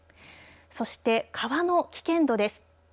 そして、川の危険度です。